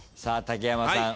竹山さん